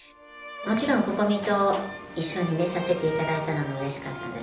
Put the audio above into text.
もちろんＣｏｃｏｍｉと一緒に出させていただいたのもうれしかったです。